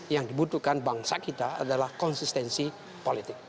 yang dibutuhkan bangsa kita adalah konsistensi politik